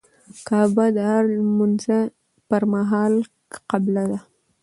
کعبه د هر لمونځه پر مهال قبله ده.